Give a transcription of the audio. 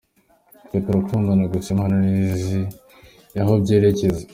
Twe turakundana gusa Imana niyo izi aho ibyerekeza.